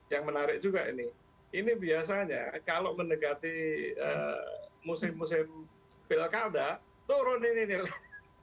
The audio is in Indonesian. yang menarik juga ini ini biasanya kalau mendekati musim musim pilkada turun ini nih loh